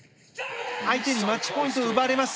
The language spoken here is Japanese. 相手にマッチポイントを奪われます。